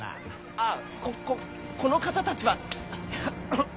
ああこここの方たちは。